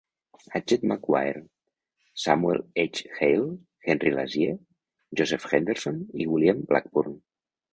Adjet McGuire, Samuel H. Hale, Henry Lazier, Joseph Henderson i William Blackburn.